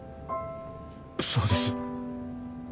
そうです。